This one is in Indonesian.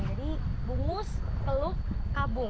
jadi bungus teluk kabung